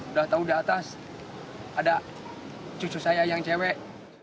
udah tahu di atas ada cucu saya yang cewek